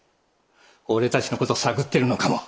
俺たちの事探ってるのかも。